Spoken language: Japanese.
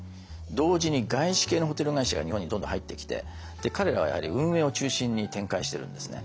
同時に外資系のホテル会社が日本にどんどん入ってきて彼らはやはり運営を中心に展開しているんですね。